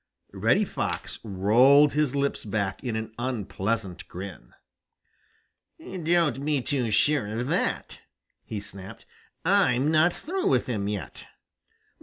Page 45.] Reddy Fox rolled his lips back in an unpleasant grin. "Don't be too sure of that!" he snapped. "I'm not through with him yet."